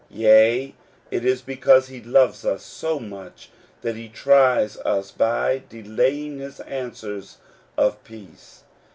Yea, it is because he loves us so much that he tries us by delaying his answers of peace.